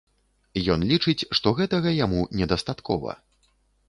Ён лічыць, што гэтага яму недастаткова.